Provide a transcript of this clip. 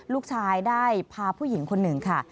ลูกชายได้พาผู้หญิงคนหนึ่งค่ะ